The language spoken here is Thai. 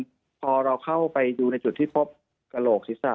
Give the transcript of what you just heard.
คือตอนเราเข้าไปอยู่ในจุดที่พบกระโหกศีรษะ